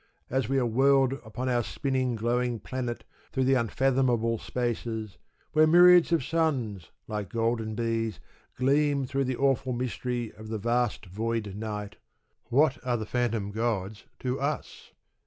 As we are whirled upon our spinning, glowing planet through the unfathomable spaces, where myriads of suns, like golden bees, gleam through the awful mystery of "the vast void night," what are the phantom gods to us?